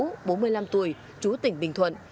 nguyễn duy vũ bốn mươi năm tuổi trú tỉnh bình thuận